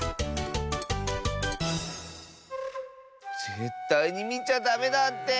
ぜったいにみちゃダメだって。